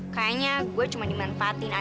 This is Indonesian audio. kayaknya gue cuma dimanfaatin aja